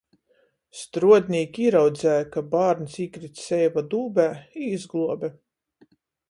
Struodnīki īraudzeja, ka bārns īkrits seiva dūbē, i izgluobe.